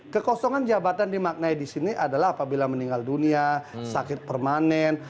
kekosongan jabatan dimaknai di sini adalah apabila meninggal dunia sakit permanen